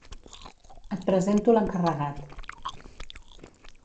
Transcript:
Et presento l'encarregat.